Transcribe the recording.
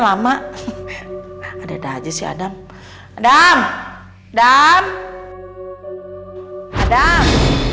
sama ada aja sih adam adam adam adam adam